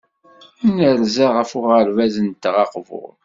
Nerza ɣef uɣerbaz-nteɣ aqbur.